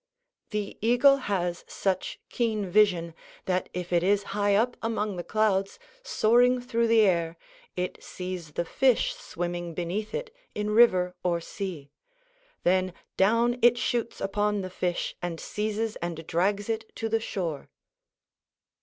] The eagle has such keen vision, that if it is high up among the clouds, soaring through the air, it sees the fish swimming beneath it, in river or sea; then down it shoots upon the fish and seizes and drags it to the shore.